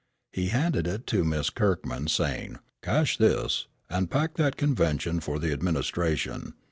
He handed it to Miss Kirkman, saying, "Cash this, and pack that convention for the administration.